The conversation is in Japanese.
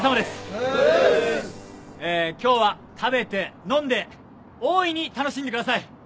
今日は食べて飲んで大いに楽しんでください。